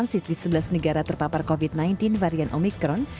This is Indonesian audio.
dan penutup pen transit di sebelas negara terpapar covid sembilan belas varian omikron